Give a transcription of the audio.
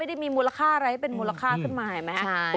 ได้มีมูลค่าอะไรให้เป็นมูลค่าขึ้นมาเห็นไหม